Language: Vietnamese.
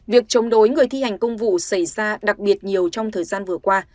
việc chống đối người thi hành công vụ xảy ra đặc biệt nhiều trong thời gian vừa qua